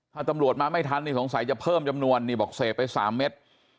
ถ้าตำรวจมาไม่ทันนี่สงสัยจะเพิ่มจำนวนนี่บอกเสพไป๓เม็ด